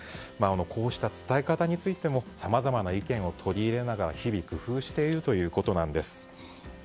こうした伝え方についてもさまざまな意見を取り入れながら日々工夫しているということです。